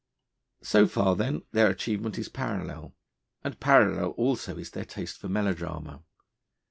So far, then, their achievement is parallel. And parallel also is their taste for melodrama.